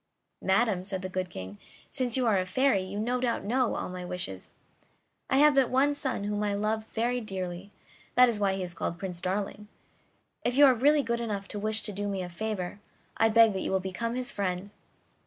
"Madam," said the good King, "since you are a fairy you no doubt know all my wishes. I have but one son whom I love very dearly, that is why he is called Prince Darling. If you are really good enough to wish to do me a favor, I beg that you will become his friend."